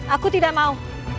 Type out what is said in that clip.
aku tidak mau